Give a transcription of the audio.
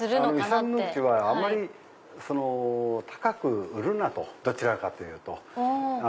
イサム・ノグチはあんまり高く売るなとどちらかというと。